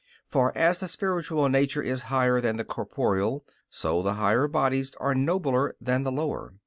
For as the spiritual nature is higher than the corporeal, so the higher bodies are nobler than the lower.